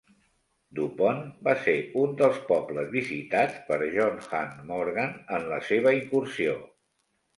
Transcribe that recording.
Dupont va ser un dels pobles visitats per John Hunt Morgan en la seva incursió.